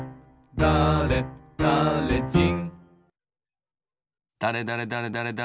だれだれじん。